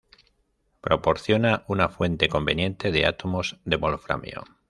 Proporciona una fuente conveniente de átomos de wolframio.